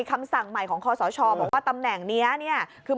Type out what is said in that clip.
จริงคนจะเป็นพนักงานสอบสวนเขามีอยู่แล้ว